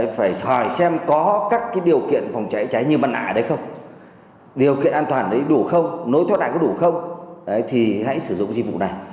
phải hỏi xem có các cái điều kiện phòng cháy cháy như bàn ả ở đấy không điều kiện an toàn ở đấy đủ không nối thoát ả có đủ không thì hãy sử dụng cái dịch vụ này